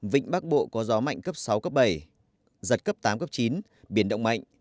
vịnh bắc bộ có gió mạnh cấp sáu cấp bảy giật cấp tám cấp chín biển động mạnh